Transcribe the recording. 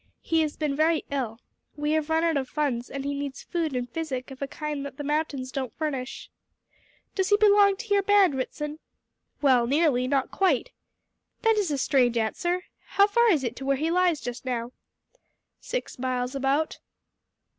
He has been very ill. We have run out of funds, and he needs food and physic of a kind that the mountains don't furnish." "Does he belong to your band, Ritson?" "Well nearly; not quite!" "That is a strange answer. How far is it to where he lies just now?" "Six miles, about."